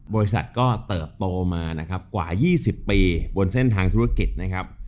บริษัทก็เติบโตมานะครับกว่า๒๐ปีบนเส้นทางธุรกิจนะครับ